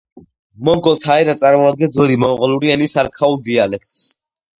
მოგოლთა ენა წარმოადგენს ძველი მონღოლური ენის არქაულ დიალექტს.